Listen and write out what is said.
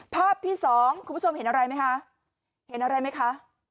ภาพที่๒คุณผู้ชมเห็นอะไรไหมคะ